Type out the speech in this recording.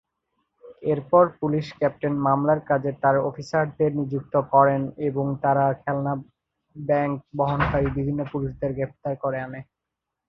এরপর police captain মামলার কাজে তার অফিসারদের নিযুক্ত করেন এবং তারা খেলনা ব্যাংক বহনকারী বিভিন্ন পুরুষদের গ্রেফতার করে আনে।